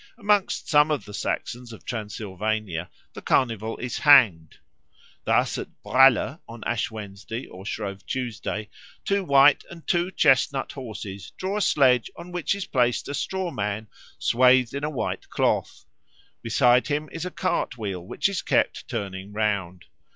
Amongst some of the Saxons of Transylvania the Carnival is hanged. Thus at Braller on Ash Wednesday or Shrove Tuesday two white and two chestnut horses draw a sledge on which is placed a straw man swathed in a white cloth; beside him is a cart wheel which is kept turning round.